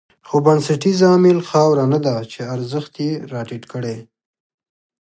خو بنسټیز عامل خاوره نه ده چې ارزښت یې راټيټ کړی.